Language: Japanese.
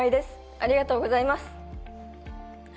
ありがとうございます。